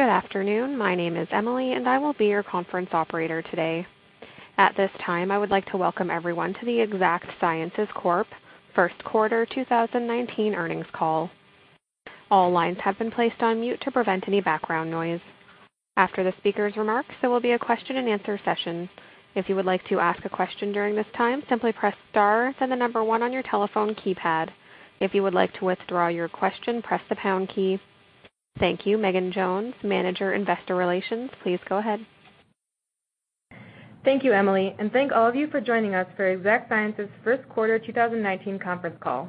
Good afternoon. My name is Emily, and I will be your conference operator today. At this time, I would like to welcome everyone to the Exact Sciences Corp. First Quarter 2019 Earnings Call. All lines have been placed on mute to prevent any background noise. After the speaker's remarks, there will be a question and answer session. If you would like to ask a question during this time, simply press star, then 1 on your telephone keypad. If you would like to withdraw your question, press the pound key. Thank you. Megan Jones, Vice President, Investor Relations, please go ahead. Thank you, Emily, and thank all of you for joining us for Exact Sciences First Quarter 2019 conference call.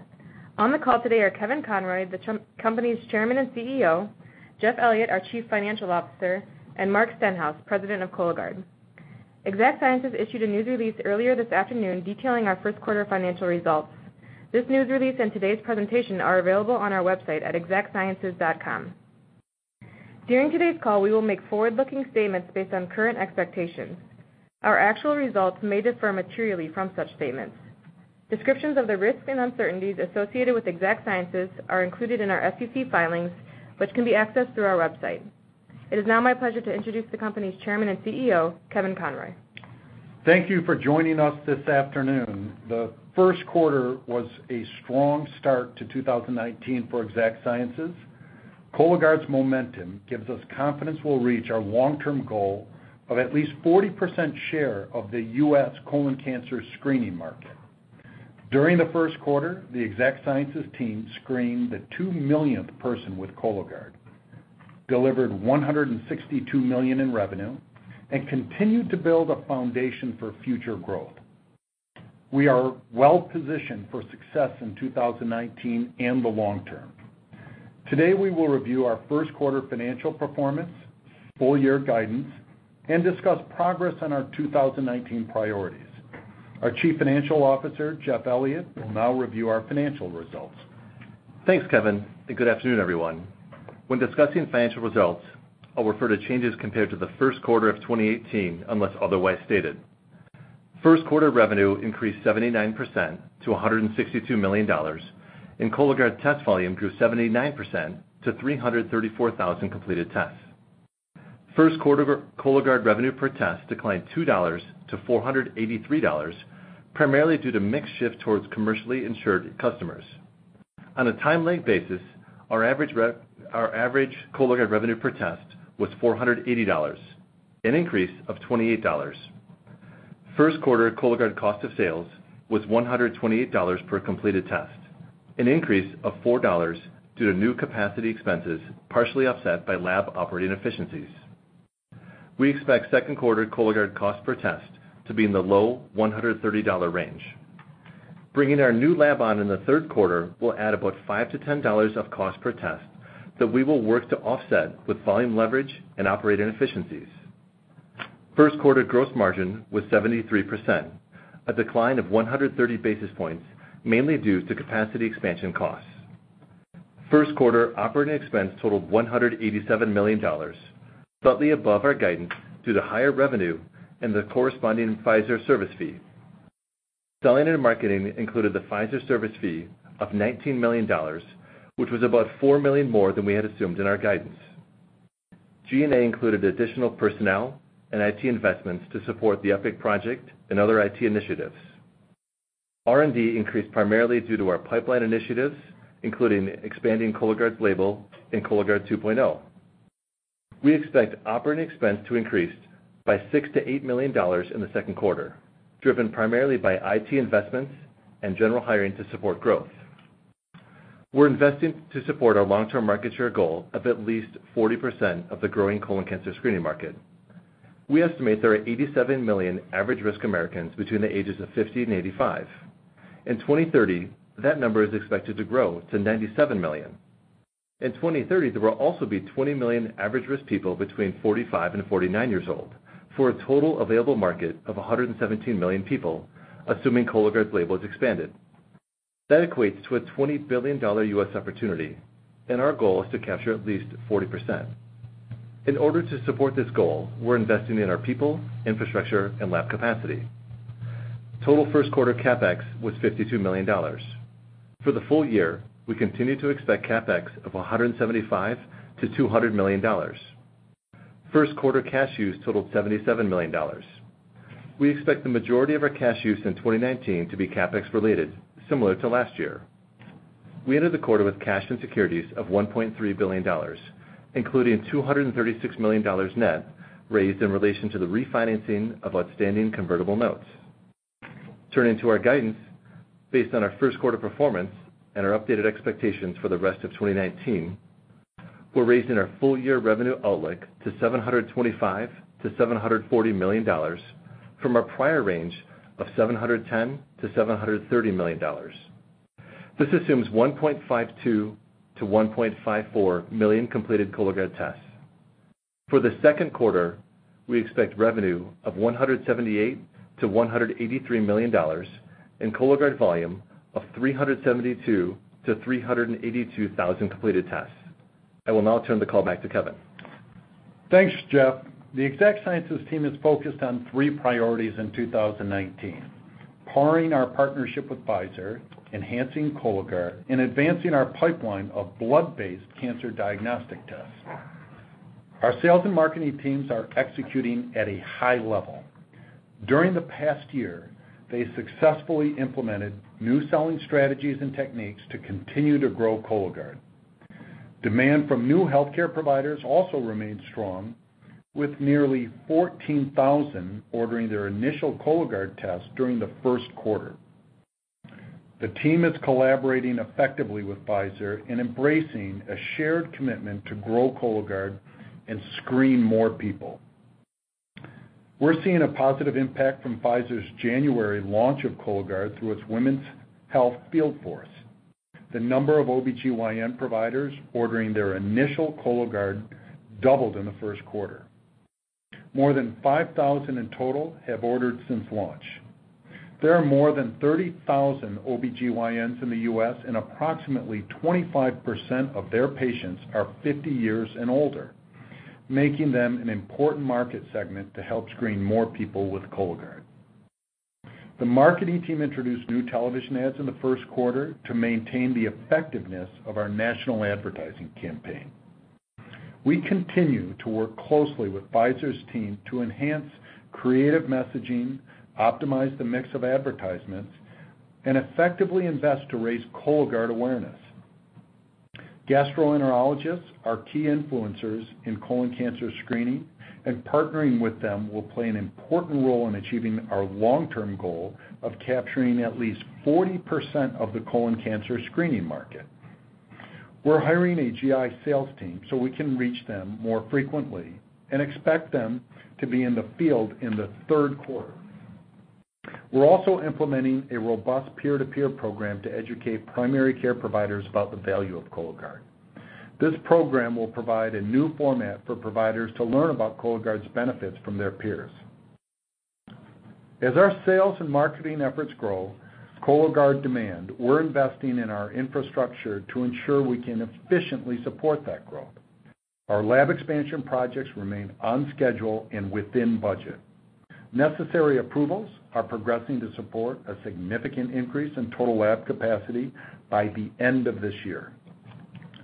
On the call today are Kevin Conroy, the company's Chairman and CEO, Jeff Elliott, our Chief Financial Officer, and Mark Stenhouse, President of Cologuard. Exact Sciences issued a news release earlier this afternoon detailing our first quarter financial results. This news release and today's presentation are available on our website at exactsciences.com. During today's call, we will make forward-looking statements based on current expectations. Our actual results may differ materially from such statements. Descriptions of the risks and uncertainties associated with Exact Sciences are included in our SEC filings, which can be accessed through our website. It is now my pleasure to introduce the company's Chairman and CEO, Kevin Conroy. Thank you for joining us this afternoon. The first quarter was a strong start to 2019 for Exact Sciences. Cologuard's momentum gives us confidence we'll reach our long-term goal of at least 40% share of the U.S. colon cancer screening market. During the first quarter, the Exact Sciences team screened the 2 millionth person with Cologuard, delivered $162 million in revenue, and continued to build a foundation for future growth. We are well-positioned for success in 2019 and the long term. Today, we will review our first quarter financial performance, full year guidance, and discuss progress on our 2019 priorities. Our Chief Financial Officer, Jeff Elliott, will now review our financial results. Thanks, Kevin, and good afternoon, everyone. When discussing financial results, I'll refer to changes compared to the first quarter of 2018, unless otherwise stated. First quarter revenue increased 79% to $162 million, and Cologuard test volume grew 79% to 334,000 completed tests. First quarter Cologuard revenue per test declined $2 to $483, primarily due to mix shift towards commercially insured customers. On a time-length basis, our average Cologuard revenue per test was $480, an increase of $28. First quarter Cologuard cost of sales was $128 per completed test, an increase of $4 due to new capacity expenses, partially offset by lab operating efficiencies. We expect second quarter Cologuard cost per test to be in the low $130 range. Bringing our new lab on in the third quarter will add about $5-$10 of cost per test that we will work to offset with volume leverage and operating efficiencies. First quarter gross margin was 73%, a decline of 130 basis points, mainly due to capacity expansion costs. First quarter operating expense totaled $187 million, slightly above our guidance due to higher revenue and the corresponding Pfizer service fee. Selling and marketing included the Pfizer service fee of $19 million, which was about $4 million more than we had assumed in our guidance. G&A included additional personnel and IT investments to support the Epic project and other IT initiatives. R&D increased primarily due to our pipeline initiatives, including expanding Cologuard's label and Cologuard 2.0. We expect operating expense to increase by $6 million-$8 million in the second quarter, driven primarily by IT investments and general hiring to support growth. We're investing to support our long-term market share goal of at least 40% of the growing colon cancer screening market. We estimate there are 87 million average-risk Americans between the ages of 50 and 85. In 2030, that number is expected to grow to 97 million. In 2030, there will also be 20 million average-risk people between 45 and 49 years old, for a total available market of 117 million people, assuming Cologuard's label is expanded. That equates to a $20 billion U.S. opportunity, and our goal is to capture at least 40%. In order to support this goal, we're investing in our people, infrastructure, and lab capacity. Total first quarter CapEx was $52 million. For the full year, we continue to expect CapEx of $175 million-$200 million. First quarter cash use totaled $77 million. We expect the majority of our cash use in 2019 to be CapEx related, similar to last year. We entered the quarter with cash and securities of $1.3 billion, including $236 million net raised in relation to the refinancing of outstanding convertible notes. Turning to our guidance, based on our first quarter performance and our updated expectations for the rest of 2019, we're raising our full year revenue outlook to $725 million-$740 million from our prior range of $710 million-$730 million. This assumes 1.52 million-1.54 million completed Cologuard tests. For the second quarter, we expect revenue of $178 million-$183 million, and Cologuard volume of 372,000-382,000 completed tests. I will now turn the call back to Kevin. Thanks, Jeff. The Exact Sciences team is focused on three priorities in 2019: powering our partnership with Pfizer, enhancing Cologuard, and advancing our pipeline of blood-based cancer diagnostic tests. Our sales and marketing teams are executing at a high level. During the past year, they successfully implemented new selling strategies and techniques to continue to grow Cologuard. Demand from new healthcare providers also remains strong, with nearly 14,000 ordering their initial Cologuard test during the first quarter. The team is collaborating effectively with Pfizer and embracing a shared commitment to grow Cologuard and screen more people. We're seeing a positive impact from Pfizer's January launch of Cologuard through its women's health field force. The number of OB-GYN providers ordering their initial Cologuard doubled in the first quarter. More than 5,000 in total have ordered since launch. There are more than 30,000 OB-GYNs in the U.S., and approximately 25% of their patients are 50 years and older, making them an important market segment to help screen more people with Cologuard. The marketing team introduced new television ads in the first quarter to maintain the effectiveness of our national advertising campaign. We continue to work closely with Pfizer's team to enhance creative messaging, optimize the mix of advertisements, and effectively invest to raise Cologuard awareness. Gastroenterologists are key influencers in colon cancer screening, and partnering with them will play an important role in achieving our long-term goal of capturing at least 40% of the colon cancer screening market. We're hiring a GI sales team so we can reach them more frequently and expect them to be in the field in the third quarter. We're also implementing a robust peer-to-peer program to educate primary care providers about the value of Cologuard. This program will provide a new format for providers to learn about Cologuard's benefits from their peers. As our sales and marketing efforts grow Cologuard demand, we're investing in our infrastructure to ensure we can efficiently support that growth. Our lab expansion projects remain on schedule and within budget. Necessary approvals are progressing to support a significant increase in total lab capacity by the end of this year.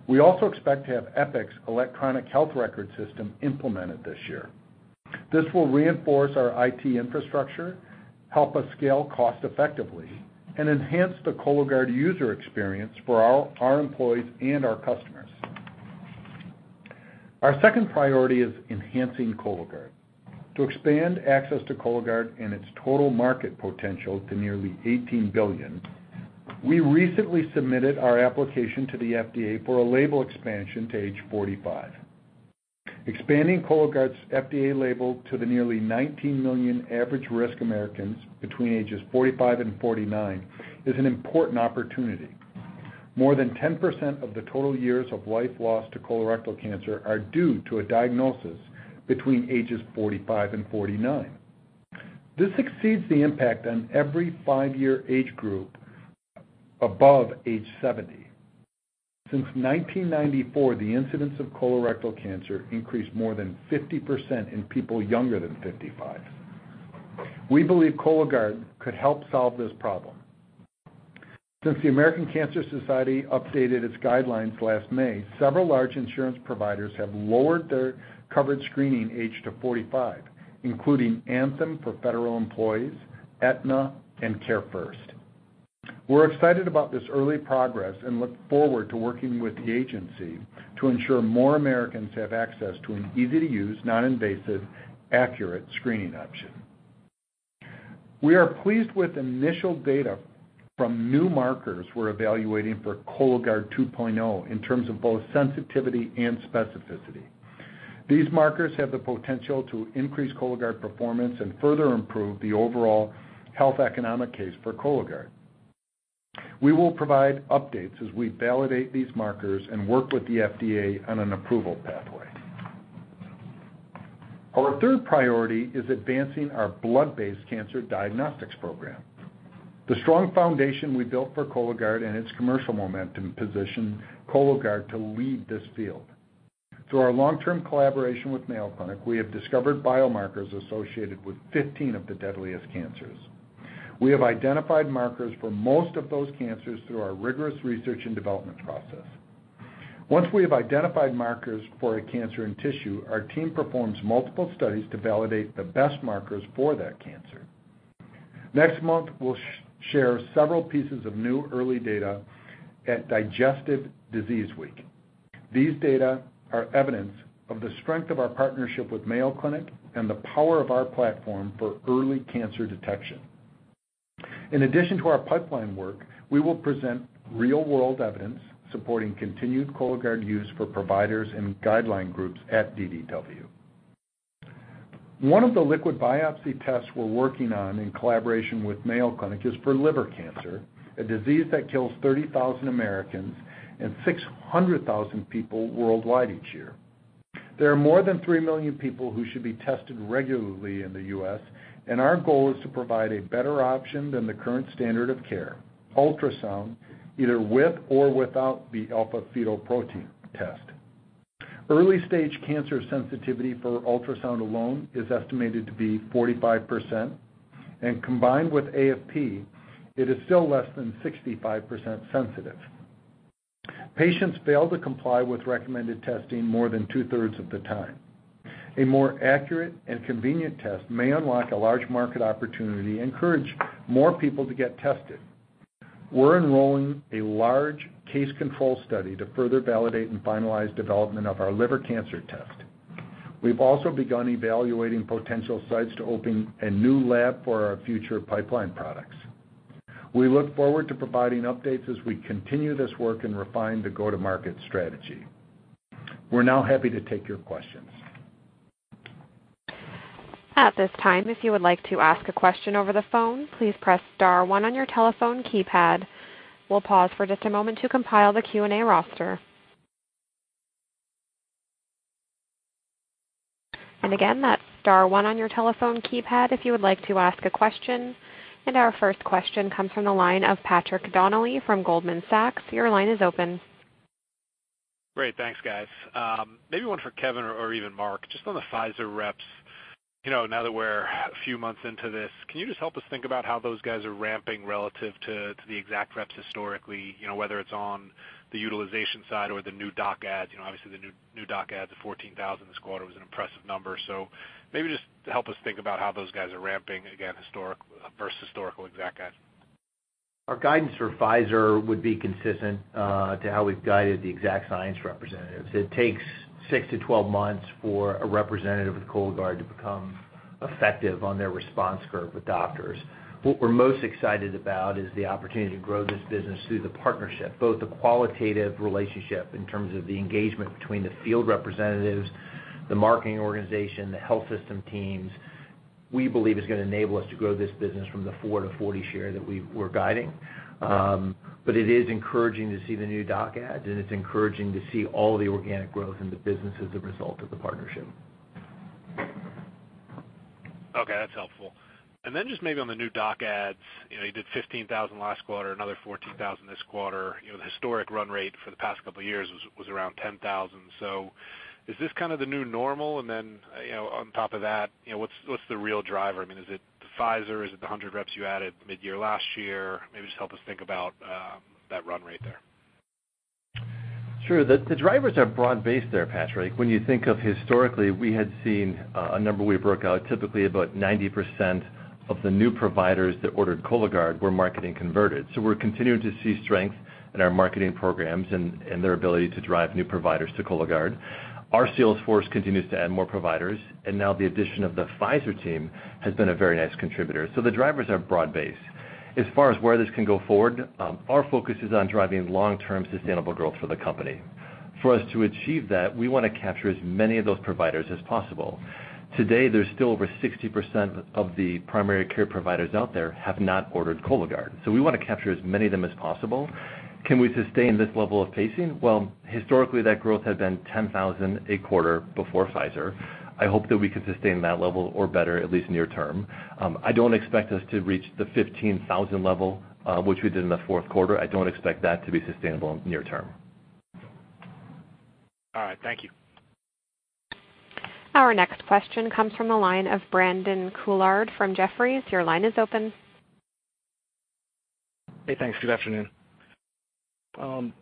We also expect to have Epic's electronic health record system implemented this year. This will reinforce our IT infrastructure, help us scale cost effectively, and enhance the Cologuard user experience for our employees and our customers. Our second priority is enhancing Cologuard. To expand access to Cologuard and its total market potential to nearly $18 billion, we recently submitted our application to the FDA for a label expansion to age 45. Expanding Cologuard's FDA label to the nearly $19 million average risk Americans between ages 45 and 49 is an important opportunity. More than 10% of the total years of life lost to colorectal cancer are due to a diagnosis between ages 45 and 49. This exceeds the impact on every five-year age group above age 70. Since 1994, the incidence of colorectal cancer increased more than 50% in people younger than 55. We believe Cologuard could help solve this problem. Since the American Cancer Society updated its guidelines last May, several large insurance providers have lowered their coverage screening age to 45, including Anthem for federal employees, Aetna, and CareFirst. We're excited about this early progress and look forward to working with the agency to ensure more Americans have access to an easy-to-use, non-invasive, accurate screening option. We are pleased with initial data from new markers we're evaluating for Cologuard 2.0 in terms of both sensitivity and specificity. These markers have the potential to increase Cologuard performance and further improve the overall health economic case for Cologuard. We will provide updates as we validate these markers and work with the FDA on an approval pathway. Our third priority is advancing our blood-based cancer diagnostics program. The strong foundation we built for Cologuard and its commercial momentum position Cologuard to lead this field. Through our long-term collaboration with Mayo Clinic, we have discovered biomarkers associated with 15 of the deadliest cancers. We have identified markers for most of those cancers through our rigorous research and development process. Once we have identified markers for a cancer and tissue, our team performs multiple studies to validate the best markers for that cancer. Next month, we'll share several pieces of new early data at Digestive Disease Week. These data are evidence of the strength of our partnership with Mayo Clinic and the power of our platform for early cancer detection. In addition to our pipeline work, we will present real-world evidence supporting continued Cologuard use for providers and guideline groups at DDW. One of the liquid biopsy tests we're working on in collaboration with Mayo Clinic is for liver cancer, a disease that kills 30,000 Americans and 600,000 people worldwide each year. There are more than 3 million people who should be tested regularly in the U.S. Our goal is to provide a better option than the current standard of care, ultrasound, either with or without the alpha-fetoprotein test. Early stage cancer sensitivity for ultrasound alone is estimated to be 45%, and combined with AFP, it is still less than 65% sensitive. Patients fail to comply with recommended testing more than two-thirds of the time. A more accurate and convenient test may unlock a large market opportunity and encourage more people to get tested. We're enrolling a large case control study to further validate and finalize development of our liver cancer test. We've also begun evaluating potential sites to open a new lab for our future pipeline products. We look forward to providing updates as we continue this work and refine the go-to-market strategy. We're now happy to take your questions. At this time, if you would like to ask a question over the phone, please press star one on your telephone keypad. We'll pause for just a moment to compile the Q&A roster. Again, that's star one on your telephone keypad if you would like to ask a question. Our first question comes from the line of Patrick Donnelly from Goldman Sachs. Your line is open. Great. Thanks, guys. Maybe one for Kevin or even Mark, just on the Pfizer reps. Now that we're a few months into this, can you just help us think about how those guys are ramping relative to the Exact reps historically, whether it's on the utilization side or the new doc ads? Obviously, the new doc ads of 14,000 this quarter was an impressive number. Maybe just help us think about how those guys are ramping, again, versus historical Exact ads. Our guidance for Pfizer would be consistent to how we've guided the Exact Sciences representatives. It takes six to 12 months for a representative of Cologuard to become effective on their response curve with doctors. What we're most excited about is the opportunity to grow this business through the partnership, both the qualitative relationship in terms of the engagement between the field representatives, the marketing organization, the health system teams, we believe is going to enable us to grow this business from the 4 to 40 share that we're guiding. It is encouraging to see the new doc ads, and it's encouraging to see all the organic growth in the business as a result of the partnership. Okay, that's helpful. Then just maybe on the new doc ads, you did 15,000 last quarter, another 14,000 this quarter. The historic run rate for the past couple of years was around 10,000. Is this kind of the new normal? Then, on top of that, what's the real driver? Is it the Pfizer? Is it the 100 reps you added mid-year last year? Maybe just help us think about that run rate there. Sure. The drivers are broad-based there, Patrick. When you think of historically, we had seen a number we broke out, typically about 90% of the new providers that ordered Cologuard were marketing converted. We're continuing to see strength in our marketing programs and their ability to drive new providers to Cologuard. Our sales force continues to add more providers, and now the addition of the Pfizer team has been a very nice contributor. The drivers are broad-based. As far as where this can go forward, our focus is on driving long-term sustainable growth for the company. For us to achieve that, we want to capture as many of those providers as possible. Today, there's still over 60% of the primary care providers out there have not ordered Cologuard. We want to capture as many of them as possible. Can we sustain this level of pacing? Well, historically, that growth had been 10,000 a quarter before Pfizer. I hope that we can sustain that level or better at least near term. I don't expect us to reach the 15,000 level which we did in the fourth quarter. I don't expect that to be sustainable near term. All right. Thank you. Our next question comes from the line of Brandon Couillard from Jefferies. Your line is open. Hey, thanks. Good afternoon.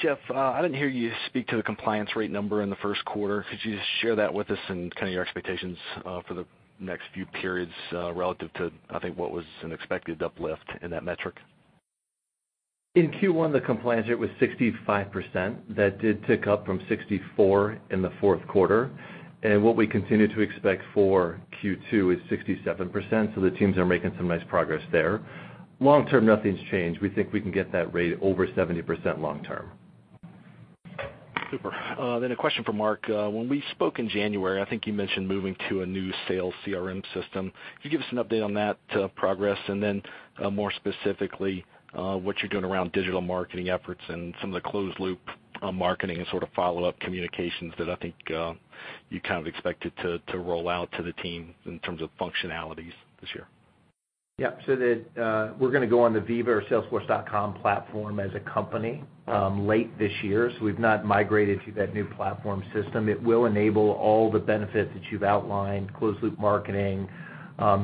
Jeff, I didn't hear you speak to the compliance rate number in the first quarter. Could you just share that with us and kind of your expectations for the next few periods relative to, I think, what was an expected uplift in that metric? In Q1, the compliance rate was 65%. That did tick up from 64 in the fourth quarter. What we continue to expect for Q2 is 67%, the teams are making some nice progress there. Long term, nothing's changed. We think we can get that rate over 70% long term. Super. A question for Mark. When we spoke in January, I think you mentioned moving to a new sales CRM system. Could you give us an update on that progress? More specifically, what you're doing around digital marketing efforts and some of the closed loop marketing and sort of follow-up communications that I think you kind of expected to roll out to the team in terms of functionalities this year. Yeah. We're going to go on the Veeva or salesforce.com platform as a company late this year. We've not migrated to that new platform system. It will enable all the benefits that you've outlined, closed loop marketing,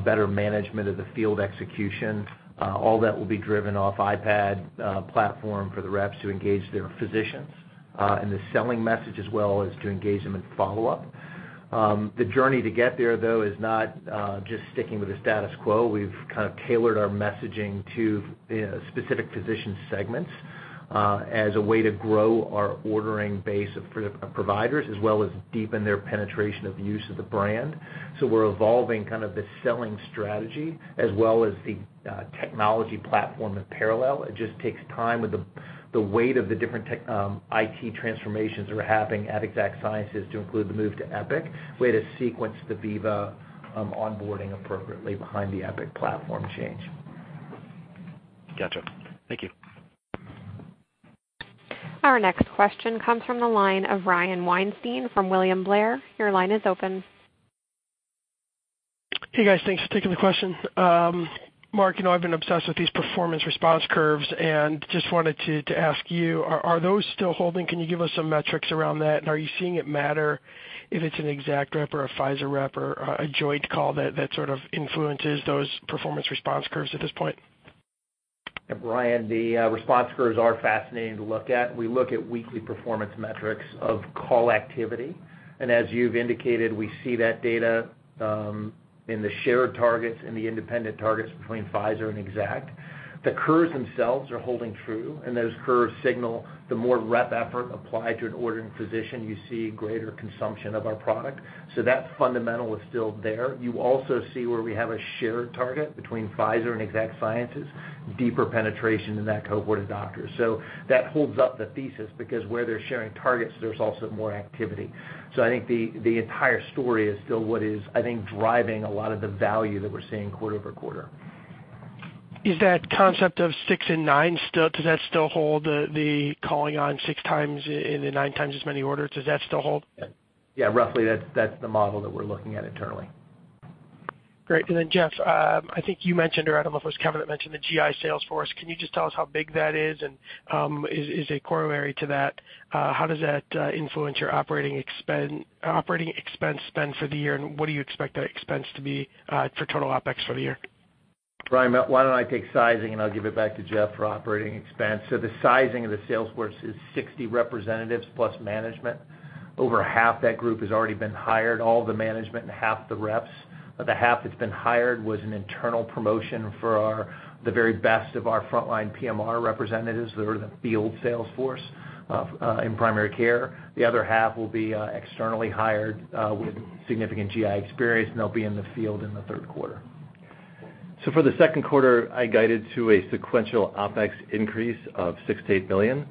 better management of the field execution. All that will be driven off iPad platform for the reps to engage their physicians, and the selling message as well as to engage them in follow-up. The journey to get there, though, is not just sticking with the status quo. We've kind of tailored our messaging to specific physician segments as a way to grow our ordering base of providers as well as deepen their penetration of use of the brand. We're evolving kind of the selling strategy as well as the technology platform in parallel. It just takes time with the weight of the different IT transformations we're having at Exact Sciences to include the move to Epic. We had to sequence the Veeva onboarding appropriately behind the Epic platform change. Gotcha. Thank you. Our next question comes from the line of Brian Weinstein from William Blair. Your line is open. Hey guys, thanks for taking the question. Mark, you know I've been obsessed with these performance response curves and just wanted to ask you, are those still holding? Can you give us some metrics around that, and are you seeing it matter if it's an Exact rep or a Pfizer rep or a joint call that sort of influences those performance response curves at this point? Yeah, Brian, the response curves are fascinating to look at. We look at weekly performance metrics of call activity. As you've indicated, we see that data in the shared targets and the independent targets between Pfizer and Exact. The curves themselves are holding true. Those curves signal the more rep effort applied to an ordering physician, you see greater consumption of our product. That fundamental is still there. You also see where we have a shared target between Pfizer and Exact Sciences, deeper penetration in that cohort of doctors. I think the entire story is still what is, I think, driving a lot of the value that we're seeing quarter-over-quarter. Is that concept of six and nine, does that still hold, the calling on six times and then nine times as many orders? Does that still hold? Yeah, roughly that's the model that we're looking at internally. Great. Then, Jeff, I think you mentioned, or I don't know if it was Kevin that mentioned the GI sales force. Can you just tell us how big that is, and is it corollary to that? How does that influence your operating expense spend for the year, and what do you expect that expense to be for total OpEx for the year? Brian, why don't I take sizing and I'll give it back to Jeff for operating expense. The sizing of the sales force is 60 representatives plus management. Over half that group has already been hired, all the management and half the reps. Of the half that's been hired was an internal promotion for the very best of our frontline PMR representatives that are the field sales force in primary care. The other half will be externally hired with significant GI experience, and they'll be in the field in the third quarter. For the second quarter, I guided to a sequential OpEx increase of $6 million-$8 million.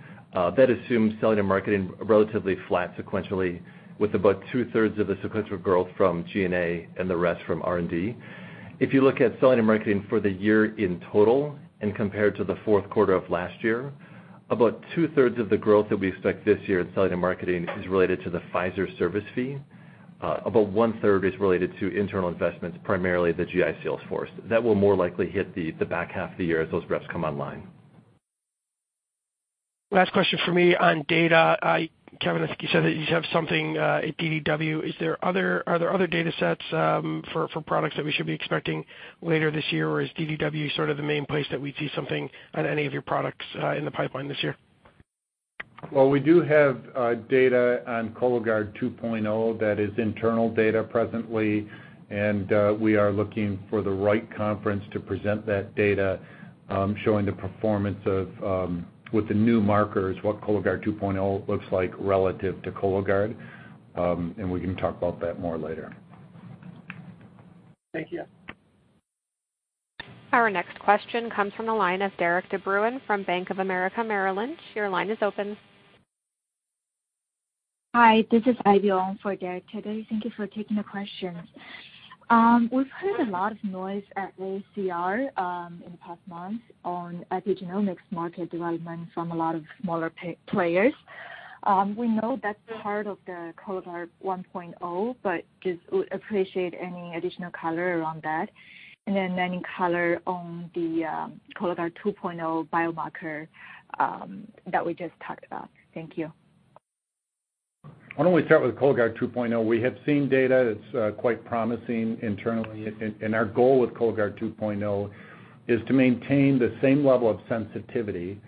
That assumes selling and marketing relatively flat sequentially with about two-thirds of the sequential growth from G&A and the rest from R&D. If you look at selling and marketing for the year in total and compared to the fourth quarter of last year, about two-thirds of the growth that we expect this year in selling and marketing is related to the Pfizer service fee. About one-third is related to internal investments, primarily the GI sales force. That will more likely hit the back half of the year as those reps come online. Last question from me on data. Kevin, I think you said that you have something at DDW. Are there other data sets for products that we should be expecting later this year, or is DDW sort of the main place that we'd see something on any of your products in the pipeline this year? Well, we do have data on Cologuard 2.0 that is internal data presently. We are looking for the right conference to present that data, showing the performance of with the new markers, what Cologuard 2.0 looks like relative to Cologuard. We can talk about that more later. Thank you. Our next question comes from the line of Derik de Bruin from Bank of America Merrill Lynch. Your line is open. Hi, this is Ivy Wong for Derik today. Thank you for taking the question. We've heard a lot of noise at AACR in the past month on epigenomics market development from a lot of smaller players. We know that's part of the Cologuard 1.0, just would appreciate any additional color around that. Then any color on the Cologuard 2.0 biomarker that we just talked about. Thank you. Why don't we start with Cologuard 2.0? We have seen data that's quite promising internally. Our goal with Cologuard 2.0 is to maintain the same level of sensitivity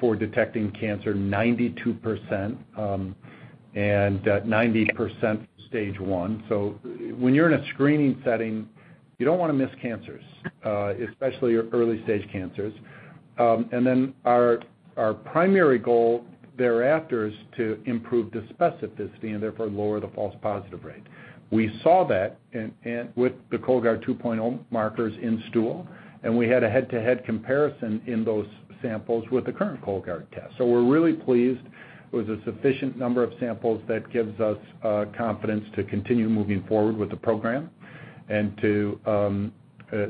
for detecting cancer 92% and 90% stage 1. When you're in a screening setting, you don't want to miss cancers, especially early-stage cancers. Then our primary goal thereafter is to improve the specificity and therefore lower the false positive rate. We saw that with the Cologuard 2.0 markers in stool, we had a head-to-head comparison in those samples with the current Cologuard test. We're really pleased with the sufficient number of samples that gives us confidence to continue moving forward with the program and to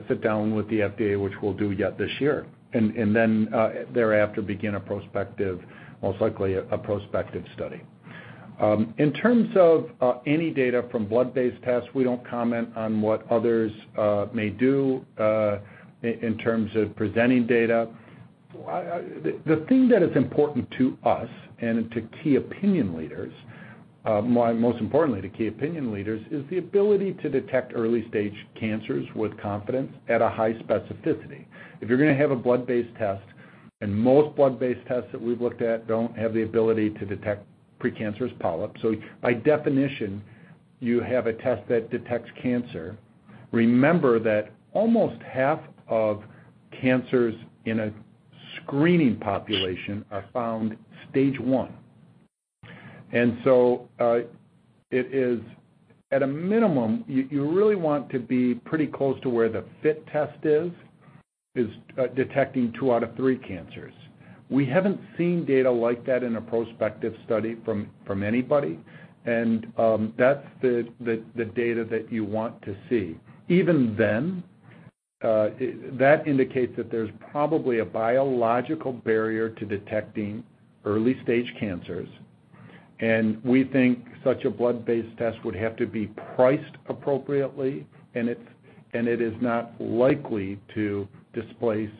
sit down with the FDA, which we'll do yet this year. Then thereafter, begin a prospective, most likely a prospective study. In terms of any data from blood-based tests, we don't comment on what others may do in terms of presenting data. The thing that is important to us and to key opinion leaders, most importantly to key opinion leaders, is the ability to detect early-stage cancers with confidence at a high specificity. If you're going to have a blood-based test, most blood-based tests that we've looked at don't have the ability to detect precancerous polyps. By definition, you have a test that detects cancer. Remember that almost half of cancers in a screening population are found stage 1. So it is at a minimum, you really want to be pretty close to where the FIT test is detecting two out of three cancers. We haven't seen data like that in a prospective study from anybody, that's the data that you want to see. Even then, that indicates that there's probably a biological barrier to detecting early-stage cancers. We think such a blood-based test would have to be priced appropriately, and it is not likely to displace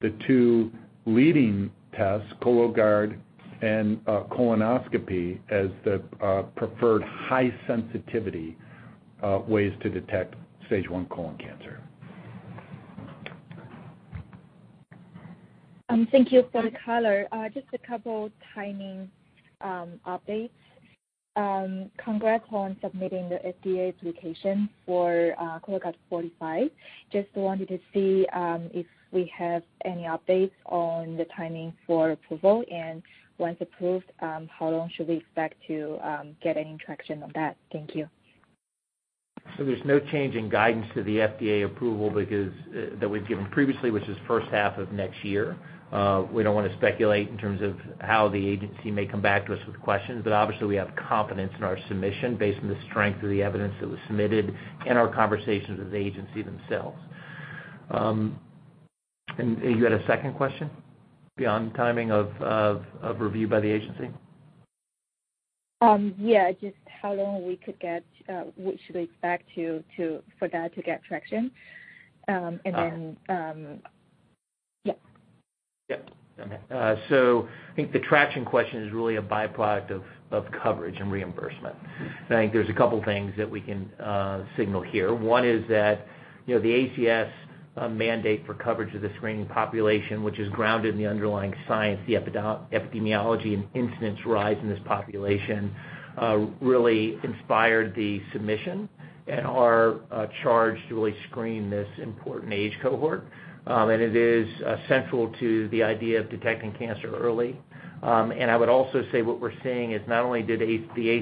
the two leading tests, Cologuard and colonoscopy, as the preferred high sensitivity ways to detect stage 1 colon cancer. Thank you for the color. Just a two timing updates. Congrats on submitting the FDA application for Cologuard 45. Just wanted to see if we have any updates on the timing for approval. Once approved, how long should we expect to get any traction on that? Thank you. There's no change in guidance to the FDA approval that we've given previously, which is the first half of next year. We don't want to speculate in terms of how the agency may come back to us with questions. Obviously, we have confidence in our submission based on the strength of the evidence that was submitted and our conversations with the agency themselves. You had a second question beyond timing of review by the agency? Yeah, just how long we should expect for that to get traction. Then, yeah. I think the traction question is really a byproduct of coverage and reimbursement. I think there's a couple things that we can signal here. One is that the ACS mandate for coverage of the screening population, which is grounded in the underlying science, the epidemiology and incidence rise in this population really inspired the submission and our charge to really screen this important age cohort. It is central to the idea of detecting cancer early. I would also say what we're seeing is not only did the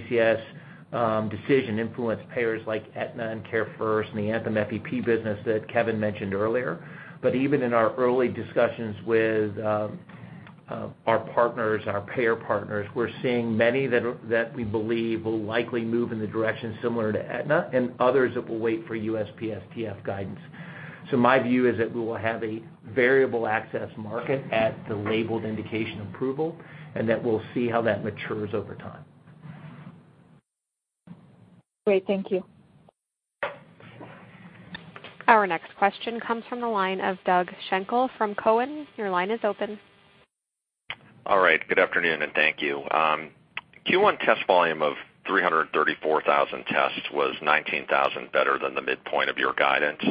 ACS decision influence payers like Aetna and CareFirst and the Anthem FEP business that Kevin mentioned earlier, but even in our early discussions with our partners, our payer partners, we're seeing many that we believe will likely move in the direction similar to Aetna and others that will wait for USPSTF guidance. My view is that we will have a variable access market at the labeled indication approval, that we'll see how that matures over time. Great. Thank you. Our next question comes from the line of Doug Schenkel from Cowen. Your line is open. All right. Good afternoon, and thank you. Q1 test volume of 334,000 tests was 19,000 better than the midpoint of your guidance.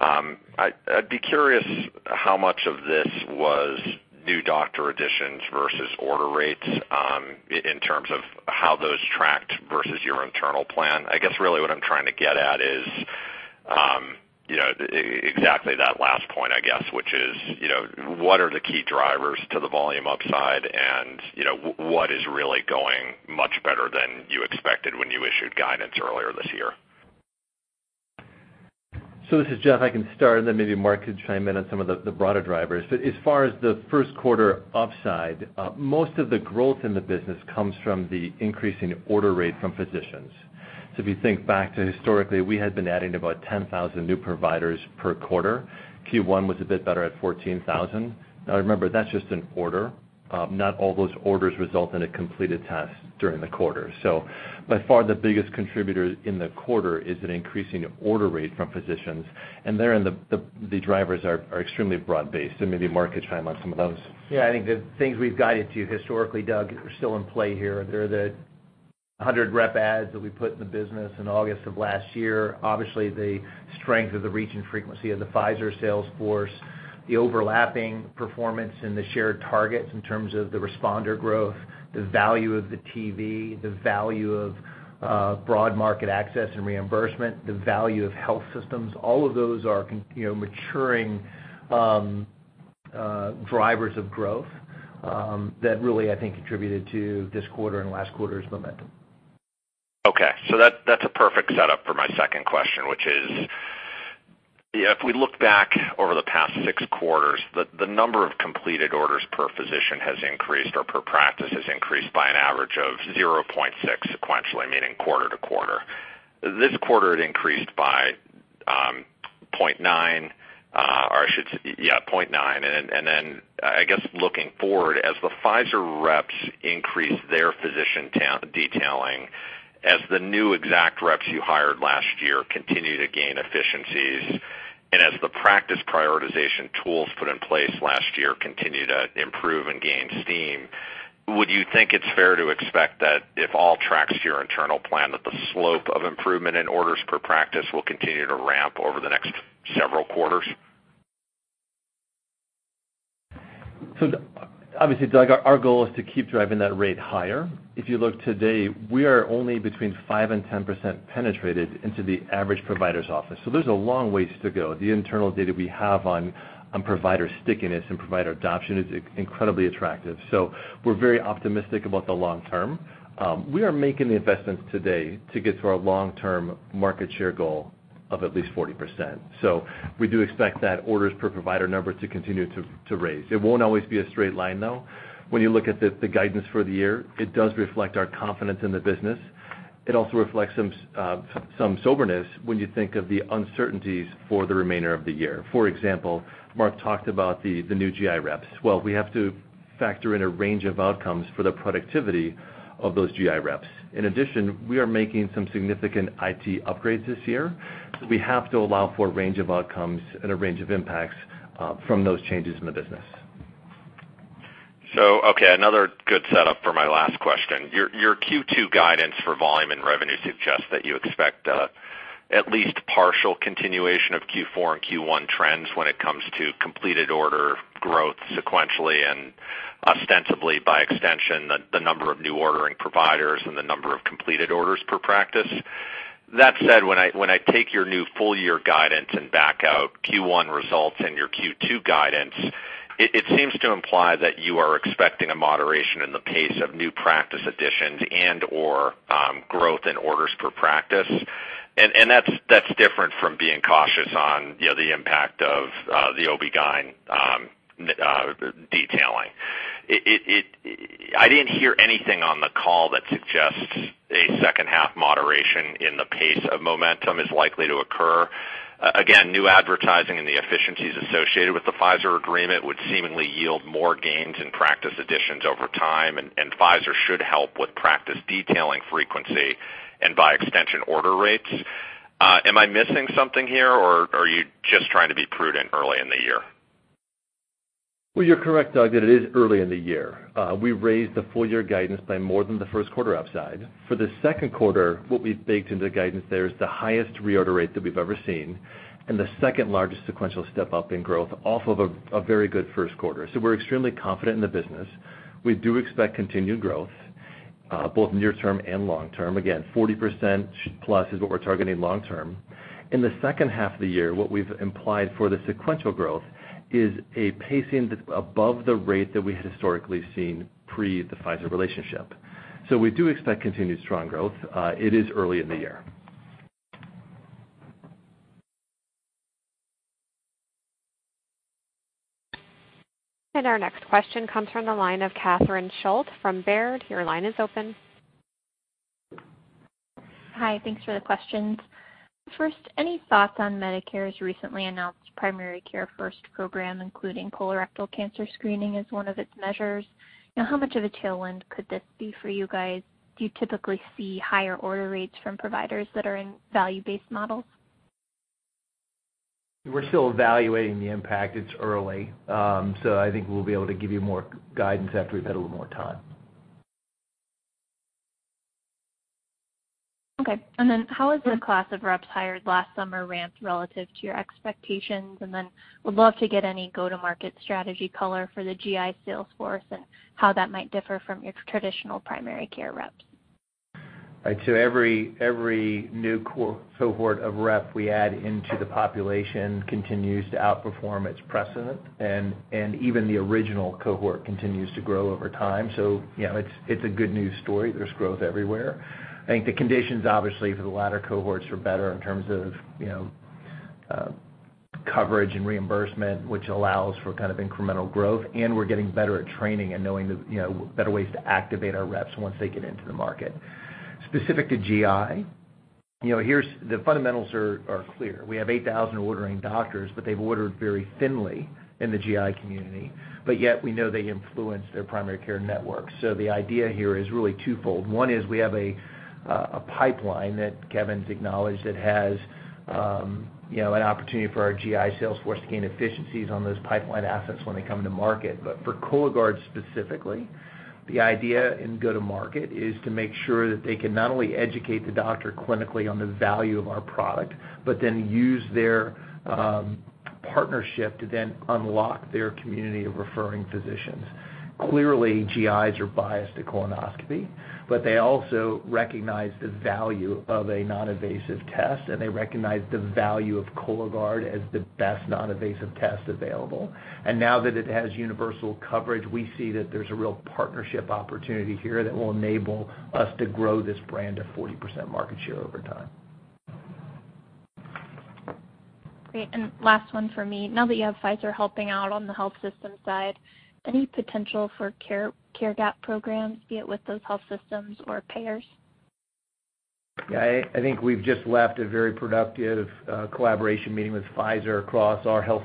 I'd be curious how much of this was new doctor additions versus order rates in terms of how those tracked versus your internal plan. I guess really what I'm trying to get at is exactly that last point, I guess, which is what are the key drivers to the volume upside and what is really going much better than you expected when you issued guidance earlier this year? This is Jeff. I can start and then maybe Mark can chime in on some of the broader drivers. As far as the first quarter upside, most of the growth in the business comes from the increasing order rate from physicians. If you think back to historically, we had been adding about 10,000 new providers per quarter. Q1 was a bit better at 14,000. Remember, that's just an order. Not all those orders result in a completed test during the quarter. By far the biggest contributor in the quarter is an increasing order rate from physicians. Therein, the drivers are extremely broad-based and maybe Mark could chime on some of those. Yeah, I think the things we've guided to historically, Doug, are still in play here. They're the 100 rep adds that we put in the business in August of last year. Obviously, the strength of the reach and frequency of the Pfizer sales force, the overlapping performance and the shared targets in terms of the responder growth, the value of the TV, the value of broad market access and reimbursement, the value of health systems. All of those are maturing drivers of growth that really, I think, contributed to this quarter and last quarter's momentum. Okay. That's a perfect setup for my second question which is, if we look back over the past six quarters, the number of completed orders per physician has increased or per practice has increased by an average of 0.6 sequentially, meaning quarter to quarter. This quarter, it increased by 0.9. I guess looking forward, as the Pfizer reps increase their physician detailing, as the new Exact reps you hired last year continue to gain efficiencies, and as the practice prioritization tools put in place last year continue to improve and gain steam, would you think it's fair to expect that if all tracks to your internal plan, that the slope of improvement in orders per practice will continue to ramp over the next several quarters? Obviously, Doug, our goal is to keep driving that rate higher. If you look today, we are only between five and 10% penetrated into the average provider's office. There's a long ways to go. The internal data we have on provider stickiness and provider adoption is incredibly attractive. We're very optimistic about the long term. We are making the investments today to get to our long-term market share goal of at least 40%. We do expect that orders per provider number to continue to raise. It won't always be a straight line, though. When you look at the guidance for the year, it does reflect our confidence in the business. It also reflects some soberness when you think of the uncertainties for the remainder of the year. For example, Mark talked about the new GI reps. We have to factor in a range of outcomes for the productivity of those GI reps. In addition, we are making some significant IT upgrades this year, we have to allow for a range of outcomes and a range of impacts from those changes in the business. Okay, another good setup for my last question. Your Q2 guidance for volume and revenue suggests that you expect at least partial continuation of Q4 and Q1 trends when it comes to completed order growth sequentially and ostensibly by extension, the number of new ordering providers and the number of completed orders per practice. That said, when I take your new full year guidance and back out Q1 results and your Q2 guidance, it seems to imply that you are expecting a moderation in the pace of new practice additions and/or growth in orders per practice. That's different from being cautious on the impact of the OB-GYN detailing. I didn't hear anything on the call that suggests a second half moderation in the pace of momentum is likely to occur. Again, new advertising and the efficiencies associated with the Pfizer agreement would seemingly yield more gains in practice additions over time, and Pfizer should help with practice detailing frequency and by extension order rates. Am I missing something here, or are you just trying to be prudent early in the year? Well, you're correct, Doug, that it is early in the year. We raised the full year guidance by more than the first quarter upside. For the second quarter, what we've baked into the guidance there is the highest reorder rate that we've ever seen, and the second largest sequential step-up in growth off of a very good first quarter. We're extremely confident in the business. We do expect continued growth, both near term and long term. Again, 40%+ is what we're targeting long term. In the second half of the year, what we've implied for the sequential growth is a pacing that's above the rate that we had historically seen pre the Pfizer relationship. We do expect continued strong growth. It is early in the year. Our next question comes from the line of Catherine Schulte from Baird. Your line is open. Hi, thanks for the questions. First, any thoughts on Medicare's recently announced Primary Care First program, including colorectal cancer screening as one of its measures? How much of a tailwind could this be for you guys? Do you typically see higher order rates from providers that are in value-based models? We're still evaluating the impact. It's early. I think we'll be able to give you more guidance after we've had a little more time. Okay. How has the class of reps hired last summer ramped relative to your expectations? Would love to get any go-to-market strategy color for the GI sales force and how that might differ from your traditional primary care reps. Every new cohort of rep we add into the population continues to outperform its precedent, and even the original cohort continues to grow over time. It's a good news story. There's growth everywhere. I think the conditions, obviously, for the latter cohorts are better in terms of coverage and reimbursement, which allows for incremental growth, and we're getting better at training and knowing better ways to activate our reps once they get into the market. Specific to GI, the fundamentals are clear. We have 8,000 ordering doctors, but they've ordered very thinly in the GI community, yet we know they influence their primary care network. The idea here is really twofold. One is we have a pipeline that Kevin's acknowledged that has an opportunity for our GI sales force to gain efficiencies on those pipeline assets when they come to market. For Cologuard specifically, the idea in go-to-market is to make sure that they can not only educate the doctor clinically on the value of our product, but then use their partnership to then unlock their community of referring physicians. Clearly, GIs are biased to colonoscopy, but they also recognize the value of a non-invasive test, and they recognize the value of Cologuard as the best non-invasive test available. Now that it has universal coverage, we see that there's a real partnership opportunity here that will enable us to grow this brand at 40% market share over time. Great. Last one for me. Now that you have Pfizer helping out on the health system side, any potential for care gap programs, be it with those health systems or payers? Yeah, I think we've just left a very productive collaboration meeting with Pfizer across our health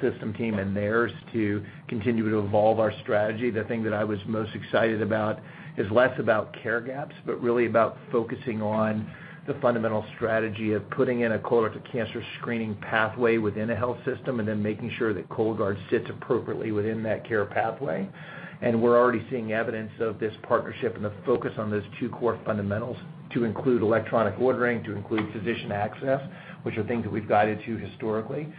system team and theirs to continue to evolve our strategy. The thing that I was most excited about is less about care gaps, but really about focusing on the fundamental strategy of putting in a colorectal cancer screening pathway within a health system, and then making sure that Cologuard sits appropriately within that care pathway. We're already seeing evidence of this partnership and the focus on those two core fundamentals to include electronic ordering, to include physician access, which are things that we've guided to historically.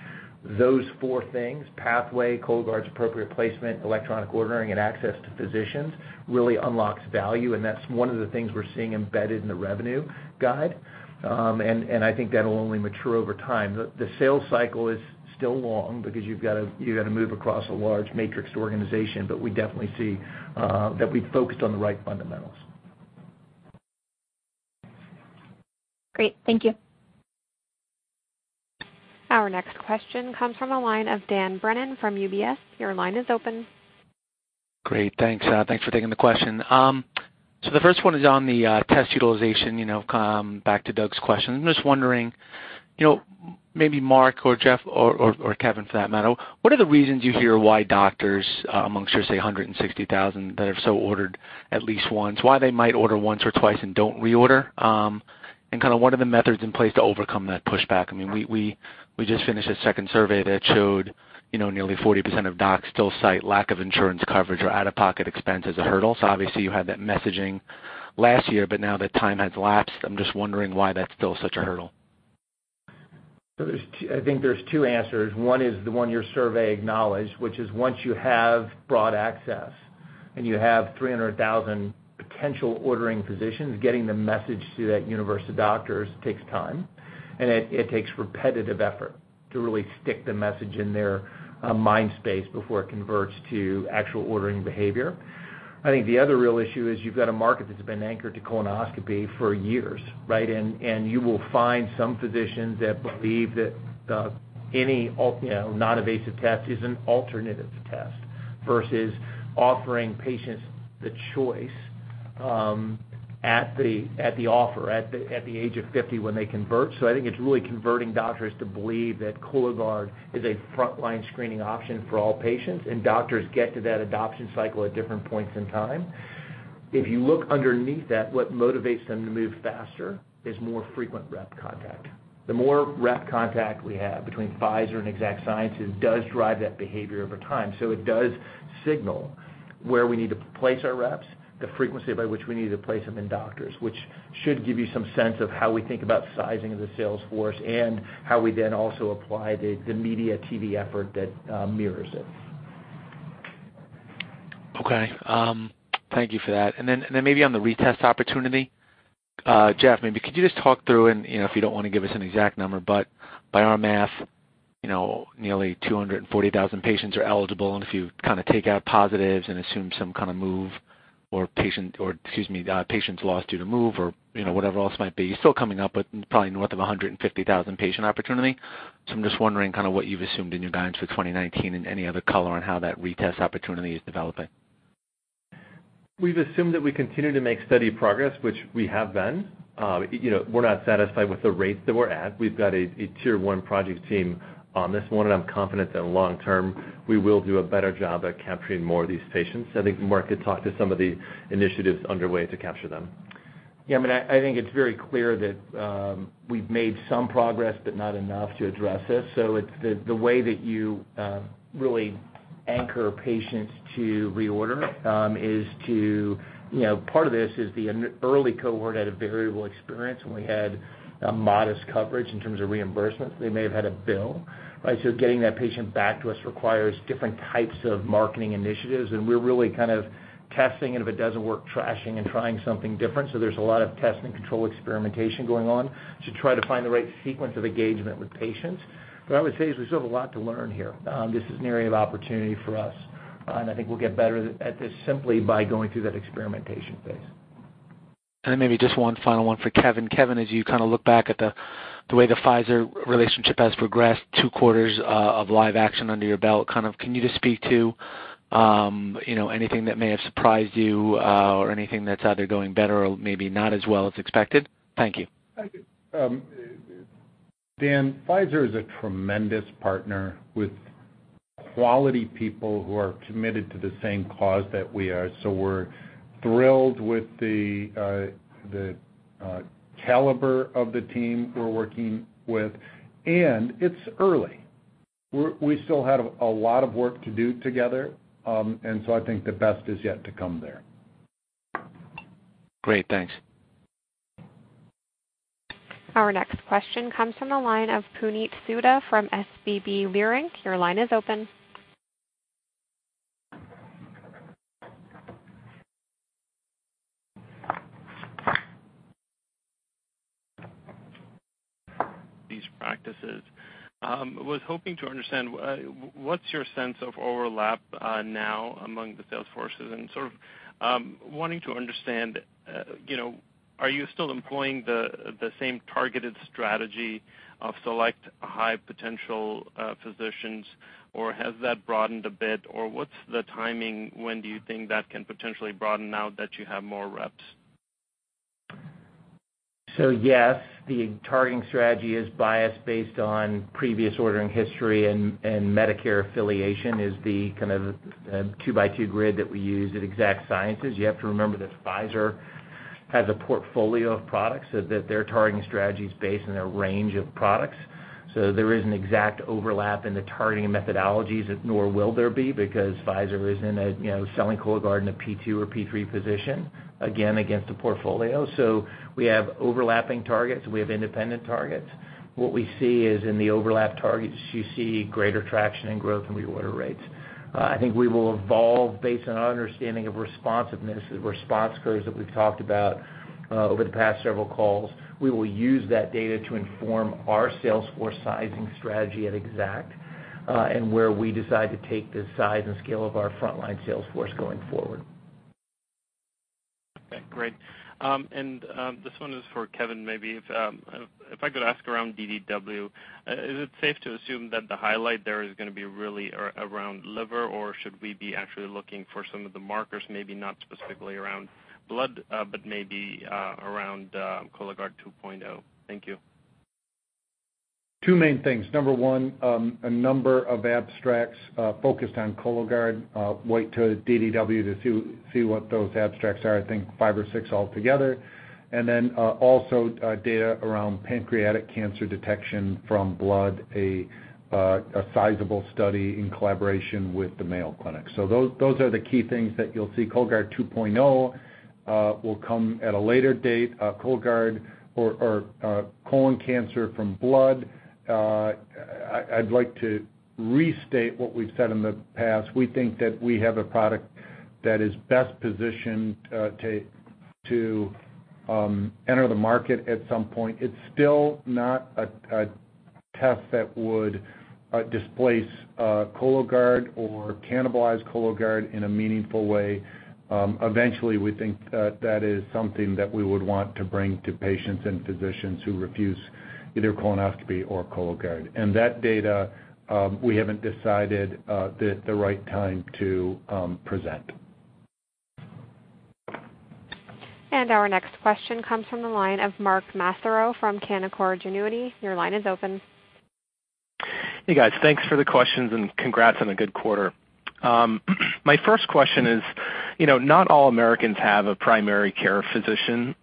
Those four things, pathway, Cologuard's appropriate placement, electronic ordering, and access to physicians, really unlocks value, and that's one of the things we're seeing embedded in the revenue guide. I think that'll only mature over time. The sales cycle is still long because you've got to move across a large matrixed organization, but we definitely see that we focused on the right fundamentals. Great. Thank you. Our next question comes from the line of Dan Brennan from UBS. Your line is open. Great. Thanks for taking the question. The first one is on the test utilization, back to Doug's question. I'm just wondering, maybe Mark or Jeff or Kevin for that matter, what are the reasons you hear why doctors amongst your, say, 160,000 that have so ordered at least once, why they might order once or twice and don't reorder? What are the methods in place to overcome that pushback? We just finished a second survey that showed nearly 40% of docs still cite lack of insurance coverage or out-of-pocket expense as a hurdle. Obviously you had that messaging last year, now that time has lapsed. I'm just wondering why that's still such a hurdle. I think there's two answers. One is the one your survey acknowledged, which is once you have broad access and you have 300,000 potential ordering physicians, getting the message to that universe of doctors takes time, and it takes repetitive effort to really stick the message in their mind space before it converts to actual ordering behavior. I think the other real issue is you've got a market that's been anchored to colonoscopy for years, right? You will find some physicians that believe that any non-invasive test is an alternative test versus offering patients the choice at the offer, at the age of 50 when they convert. I think it's really converting doctors to believe that Cologuard is a frontline screening option for all patients, and doctors get to that adoption cycle at different points in time. If you look underneath that, what motivates them to move faster is more frequent rep contact. The more rep contact we have between Pfizer and Exact Sciences does drive that behavior over time. It does signal where we need to place our reps, the frequency by which we need to place them in doctors, which should give you some sense of how we think about sizing the sales force and how we then also apply the media TV effort that mirrors it. Okay. Thank you for that. Then maybe on the retest opportunity. Jeff, maybe could you just talk through and, if you don't want to give us an exact number, but by our math, nearly 240,000 patients are eligible, and if you take out positives and assume some kind of move or patient, or excuse me, patients lost due to move or whatever else might be, you're still coming up with probably north of 150,000 patient opportunity. I'm just wondering what you've assumed in your guidance for 2019 and any other color on how that retest opportunity is developing. We've assumed that we continue to make steady progress, which we have been. We're not satisfied with the rate that we're at. We've got a tier 1 project team on this one. I'm confident that long term, we will do a better job at capturing more of these patients. I think Mark could talk to some of the initiatives underway to capture them. I think it's very clear that we've made some progress, but not enough to address this. The way that you really anchor patients to reorder is part of this is the early cohort had a variable experience, and we had a modest coverage in terms of reimbursements. They may have had a bill, right? Getting that patient back to us requires different types of marketing initiatives, and we're really kind of testing, and if it doesn't work, trashing and trying something different. There's a lot of test and control experimentation going on to try to find the right sequence of engagement with patients. I would say is we still have a lot to learn here. This is an area of opportunity for us, and I think we'll get better at this simply by going through that experimentation phase. Maybe just one final one for Kevin. Kevin, as you look back at the way the Pfizer relationship has progressed, two quarters of live action under your belt, can you just speak to anything that may have surprised you or anything that's either going better or maybe not as well as expected? Thank you. Dan, Pfizer is a tremendous partner with quality people who are committed to the same cause that we are. We're thrilled with the caliber of the team we're working with. It's early. We still have a lot of work to do together. I think the best is yet to come there. Great. Thanks. Our next question comes from the line of Puneet Souda from SVB Leerink. Your line is open. These practices. I was hoping to understand what's your sense of overlap now among the sales forces and sort of wanting to understand, are you still employing the same targeted strategy of select high potential physicians or has that broadened a bit? What's the timing? When do you think that can potentially broaden now that you have more reps? Yes, the targeting strategy is biased based on previous ordering history and Medicare affiliation is the kind of two by two grid that we use at Exact Sciences. You have to remember that Pfizer has a portfolio of products so that their targeting strategy is based on their range of products. There isn't exact overlap in the targeting methodologies, nor will there be, because Pfizer isn't selling Cologuard in a P2 or P3 position, again, against a portfolio. We have overlapping targets, we have independent targets. What we see is in the overlap targets, you see greater traction and growth in reorder rates. I think we will evolve based on our understanding of responsiveness, the response curves that we've talked about over the past several calls. We will use that data to inform our sales force sizing strategy at Exact, where we decide to take the size and scale of our frontline sales force going forward. Okay, great. This one is for Kevin, maybe. If I could ask around DDW, is it safe to assume that the highlight there is going to be really around liver, or should we be actually looking for some of the markers, maybe not specifically around blood, but maybe around Cologuard 2.0? Thank you. Two main things. Number one, a number of abstracts focused on Cologuard. Wait till DDW to see what those abstracts are, I think five or six altogether. Also data around pancreatic cancer detection from blood, a sizable study in collaboration with the Mayo Clinic. Those are the key things that you’ll see. Cologuard 2.0 will come at a later date. Colon cancer from blood, I’d like to restate what we’ve said in the past. We think that we have a product that is best positioned to enter the market at some point. It’s still not a test that would displace Cologuard or cannibalize Cologuard in a meaningful way. Eventually, we think that is something that we would want to bring to patients and physicians who refuse either colonoscopy or Cologuard. That data, we haven’t decided the right time to present. Our next question comes from the line of Mark Massaro from Canaccord Genuity. Your line is open. Hey, guys. Thanks for the questions and congrats on a good quarter. My first question is, not all Americans have a primary care physician.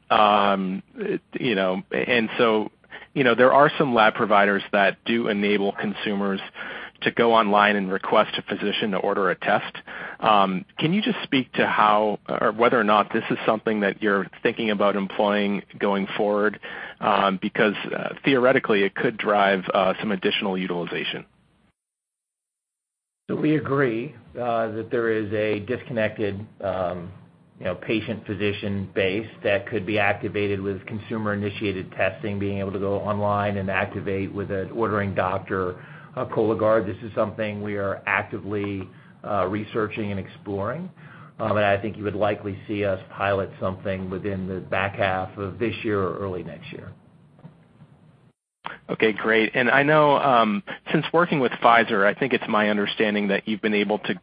There are some lab providers that do enable consumers to go online and request a physician to order a test. Can you just speak to whether or not this is something that you're thinking about employing going forward? Because theoretically, it could drive some additional utilization. We agree that there is a disconnected patient-physician base that could be activated with consumer-initiated testing, being able to go online and activate with an ordering doctor, Cologuard. This is something we are actively researching and exploring. I think you would likely see us pilot something within the back half of this year or early next year. Okay, great. I know since working with Pfizer, I think it's my understanding that you've been able to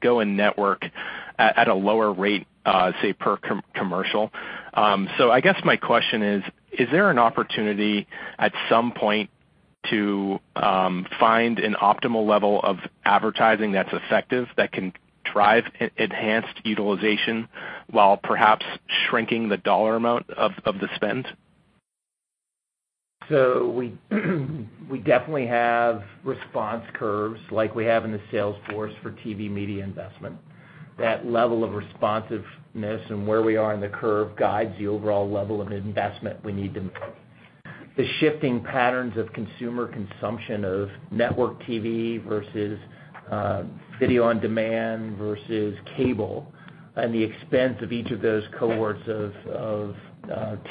go and network at a lower rate, say, per commercial. I guess my question is there an opportunity at some point to find an optimal level of advertising that's effective, that can drive enhanced utilization while perhaps shrinking the dollar amount of the spend? We definitely have response curves like we have in the sales force for TV media investment. That level of responsiveness and where we are in the curve guides the overall level of investment we need to make. The shifting patterns of consumer consumption of network TV versus video on demand versus cable, and the expense of each of those cohorts of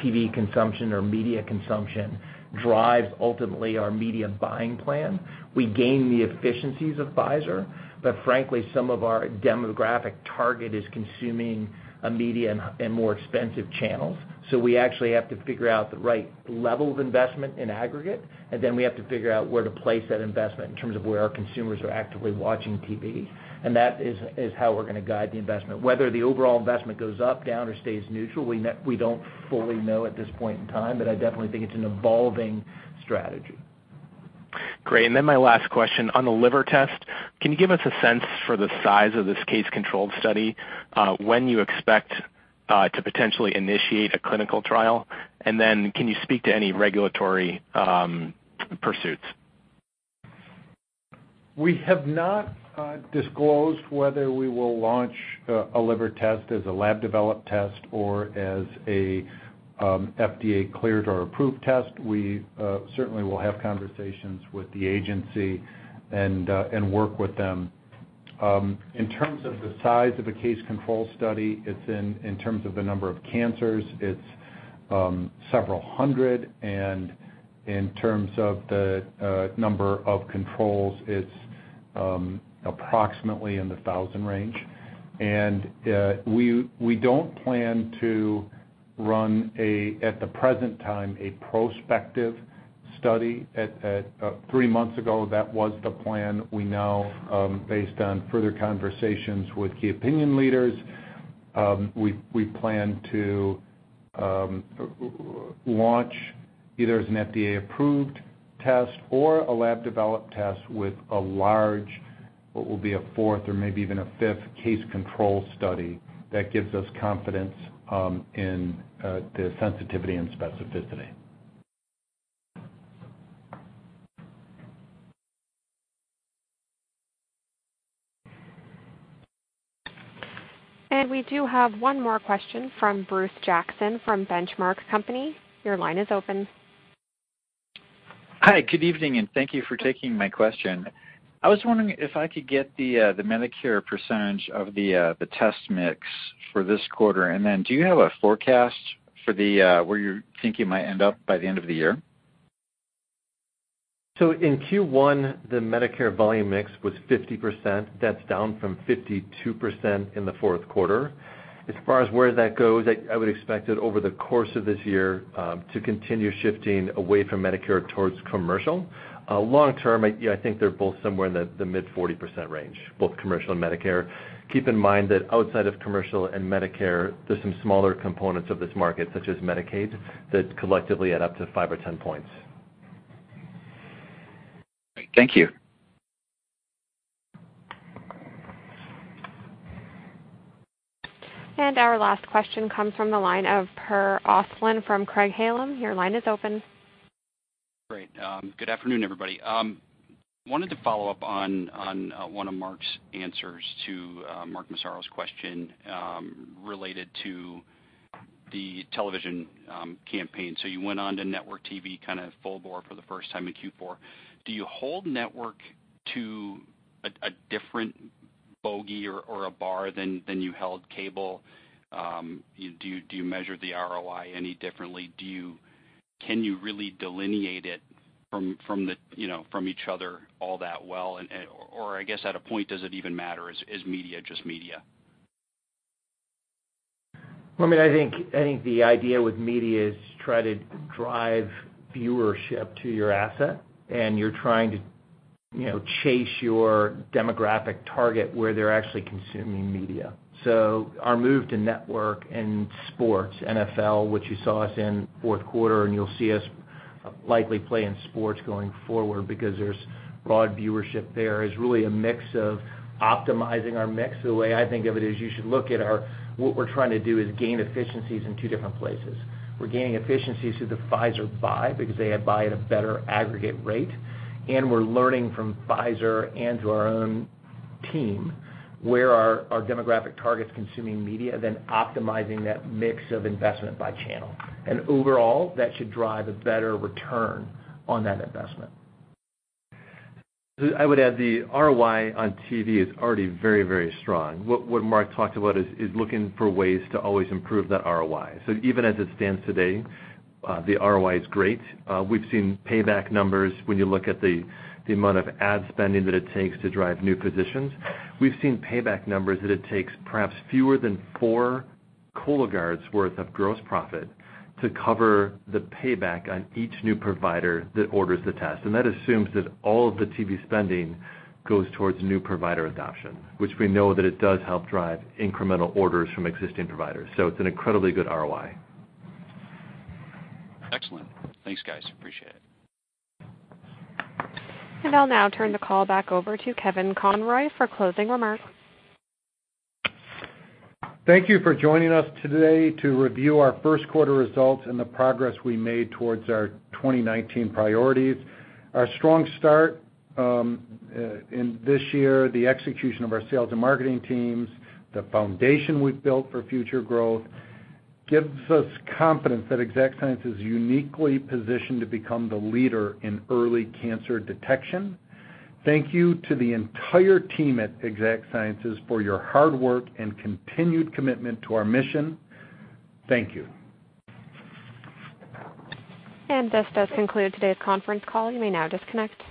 TV consumption or media consumption drives ultimately our media buying plan. We gain the efficiencies of Pfizer, but frankly, some of our demographic target is consuming a media in more expensive channels. We actually have to figure out the right level of investment in aggregate, and then we have to figure out where to place that investment in terms of where our consumers are actively watching TV. That is how we're going to guide the investment. Whether the overall investment goes up, down, or stays neutral, we don't fully know at this point in time, but I definitely think it's an evolving strategy. Great. My last question on the liver test, can you give us a sense for the size of this case-control study, when you expect to potentially initiate a clinical trial? Can you speak to any regulatory pursuits? We have not disclosed whether we will launch a liver test as a lab-developed test or as an FDA cleared or approved test. We certainly will have conversations with the agency and work with them. In terms of the size of a case control study, in terms of the number of cancers, it's several hundred, and in terms of the number of controls, it's approximately in the thousand range. We don't plan to run, at the present time, a prospective study. Three months ago, that was the plan. We now, based on further conversations with key opinion leaders, we plan to launch either as an FDA-approved test or a lab-developed test with a large, what will be a fourth or maybe even a fifth case control study that gives us confidence in the sensitivity and specificity. We do have one more question from Bruce Jackson from The Benchmark Company. Your line is open. Hi, good evening, and thank you for taking my question. I was wondering if I could get the Medicare percentage of the test mix for this quarter. Do you have a forecast for where you think you might end up by the end of the year? In Q1, the Medicare volume mix was 50%. That's down from 52% in the fourth quarter. As far as where that goes, I would expect it over the course of this year to continue shifting away from Medicare towards commercial. Long-term, I think they're both somewhere in the mid 40% range, both commercial and Medicare. Keep in mind that outside of commercial and Medicare, there's some smaller components of this market, such as Medicaid, that collectively add up to five or 10 points. Thank you. Our last question comes from the line of Per Ostlund from Craig-Hallum. Your line is open. Great. Good afternoon, everybody. Wanted to follow up on one of Mark's answers to Mark Massaro's question, related to the television campaign. You went on to network TV full bore for the first time in Q4. Do you hold network to a different bogey or a bar than you held cable? Do you measure the ROI any differently? Can you really delineate it from each other all that well? I guess at a point, does it even matter? Is media just media? I think the idea with media is to try to drive viewership to your asset, and you're trying to chase your demographic target where they're actually consuming media. Our move to network and sports, NFL, which you saw us in fourth quarter, and you'll see us likely play in sports going forward because there's broad viewership there, is really a mix of optimizing our mix. The way I think of it is you should look at what we're trying to do is gain efficiencies in two different places. We're gaining efficiencies through the Pfizer buy because they buy at a better aggregate rate, and we're learning from Pfizer and through our own team where are our demographic targets consuming media, then optimizing that mix of investment by channel. Overall, that should drive a better return on that investment. I would add the ROI on TV is already very strong. What Mark talked about is looking for ways to always improve that ROI. Even as it stands today, the ROI is great. We've seen payback numbers when you look at the amount of ad spending that it takes to drive new positions. We've seen payback numbers that it takes perhaps fewer than four Cologuards worth of gross profit to cover the payback on each new provider that orders the test. That assumes that all of the TV spending goes towards new provider adoption, which we know that it does help drive incremental orders from existing providers. It's an incredibly good ROI. Excellent. Thanks, guys. Appreciate it. I'll now turn the call back over to Kevin Conroy for closing remarks. Thank you for joining us today to review our first quarter results and the progress we made towards our 2019 priorities. Our strong start in this year, the execution of our sales and marketing teams, the foundation we've built for future growth, gives us confidence that Exact Sciences is uniquely positioned to become the leader in early cancer detection. Thank you to the entire team at Exact Sciences for your hard work and continued commitment to our mission. Thank you. This does conclude today's conference call. You may now disconnect.